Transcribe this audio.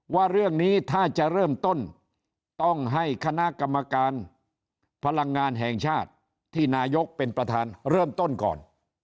ว่าเรื่องนี้ถ้าจะเริ่มต้นต้องให้คณะกรรมการพลังงานแห่งชาติที่นายกเป็นประธานเริ่มต้นก่อน